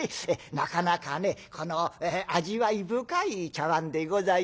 なかなかねこの味わい深い茶碗でございましてね」。